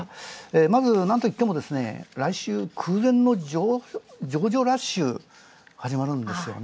まず、なんといっても、来週空前の上場ラッシュ、始まるんですよね。